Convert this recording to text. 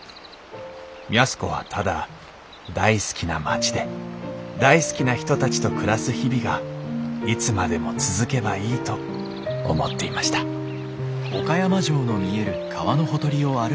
安子はただ大好きな町で大好きな人たちと暮らす日々がいつまでも続けばいいと思っていました「よい始め！」。